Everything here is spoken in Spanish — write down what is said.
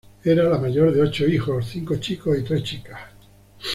Era la mayor de ocho hijos, cinco chicos y tres chicas.